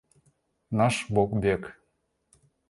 Наш бог бег.